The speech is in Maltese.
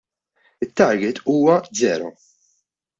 It-target huwa żero.